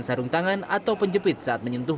sarung tangan atau penjepit saat menyentuh